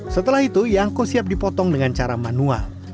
setelah itu yangko siap dipotong dengan cara manual